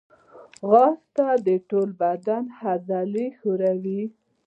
ځغاسته د ټول بدن عضلې ښوروي